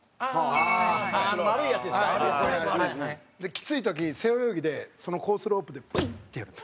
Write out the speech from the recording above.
きつい時背泳ぎでそのコースロープでグインってやって。